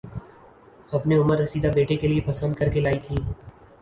اپنے عمر رسیدہ بیٹے کےلیے پسند کرکے لائی تھیں